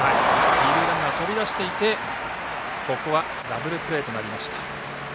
二塁ランナー、飛び出していてここはダブルプレーとなりました。